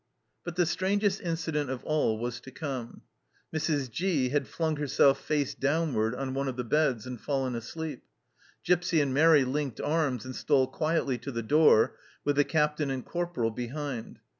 But the strangest incident of all was to come. Mrs. G had flung herself face downward on one of the beds and fallen asleep. Gipsy and Mairi linked arms and stole quietly to the door, with the Captain and corporal behind.